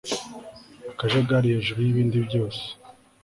Akajagari hejuru yibindi byose